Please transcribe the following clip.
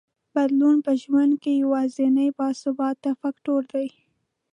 بدلون په ژوند کې یوازینی باثباته فکټور دی.